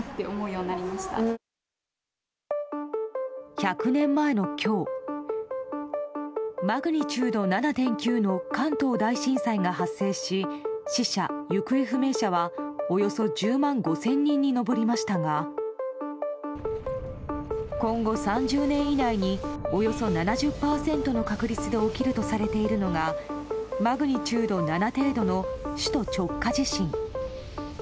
１００年前の今日マグニチュード７．９の関東大震災が発生し死者・行方不明者はおよそ１０万５０００人に上りましたが今後３０年以内におよそ７０％の確立で起きるとされているのがマグニチュード７程度の首都直下地震。